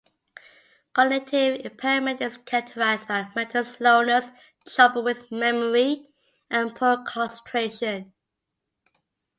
Cognitive impairment is characterised by mental slowness, trouble with memory and poor concentration.